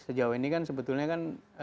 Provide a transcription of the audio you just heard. sejauh ini kan sebetulnya kan